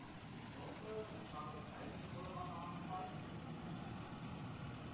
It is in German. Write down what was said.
Ich hoffe, ich habe keinen eurer Namen falsch geschrieben.